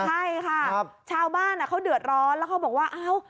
ใช่ค่ะชาวบ้านเขาเดือดร้อนแล้วเขาบอกว่าอ้าว